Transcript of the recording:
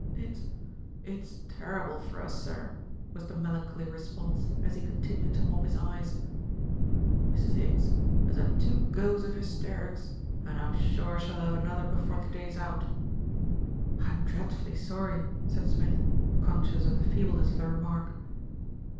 "It it's terrible for us, sir," was the melancholy response, as he continued to mop his eyes. "Mrs. Higgs has had two goes of hysterics, and I'm sure she'll have another before the day's out." "I'm dreadfully sorry," said Smith, conscious of the feebleness of the remark.